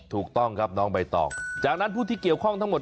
ถูกต้องครับน้องใบตองจากนั้นผู้ที่เกี่ยวข้องทั้งหมด